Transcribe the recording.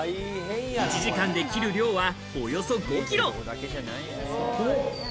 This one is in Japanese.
１時間で切る量は、およそ５ｋｇ。